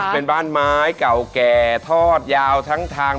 เป็นบ้านไม้เก่าแก่ทอดยาวทั้งทาง